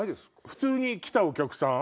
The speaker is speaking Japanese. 普通に来たお客さん？